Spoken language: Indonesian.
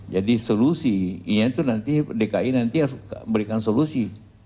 jadi solusi ini itu nanti dki nanti memberikan solusi